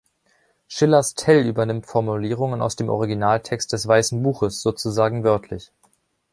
Schillers Tell übernimmt Formulierungen aus dem Originaltext des Weissen Buches sozusagen wörtlich.